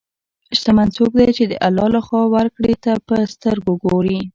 شتمن څوک دی چې د الله له خوا ورکړې ته په سترګو ګوري.